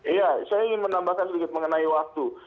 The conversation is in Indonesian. iya saya ingin menambahkan sedikit mengenai waktu